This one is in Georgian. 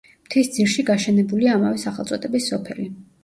მთის ძირში გაშენებულია ამავე სახელწოდების სოფელი.